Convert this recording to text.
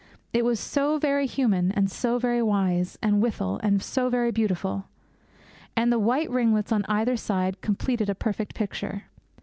It was so very human, and so very wise, and withal so very beautiful; and the white ringlets on either side completed a perfect picture.